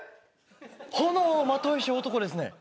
炎を纏いし男ですね